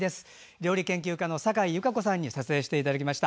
料理研究家のサカイ優佳子さんに撮影していただきました。